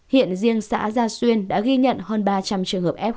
hiện riêng xã gia xuyên đã ghi nhận hơn ba trăm linh trường hợp f một